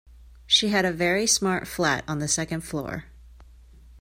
She had a very smart flat on the second floor